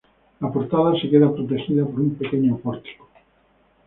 La portada se queda protegida por un pequeño pórtico.